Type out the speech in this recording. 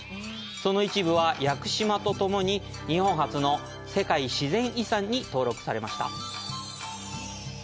その一部は屋久島とともに日本初の世界自然遺産に登録されました。